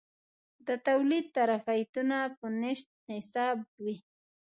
د تولید ظرفیتونه په نشت حساب وي.